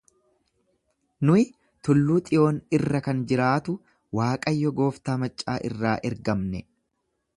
Nuyi tulluu Xiyoon irra kan jiraatu Waaqayyo gooftaa maccaa irraa ergamne.